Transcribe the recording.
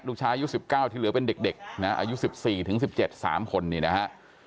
ลูกชายอายุ๑๙ที่เหลือเป็นเด็กอายุ๑๔ถึง๑๗สามคนนี้นะฮะ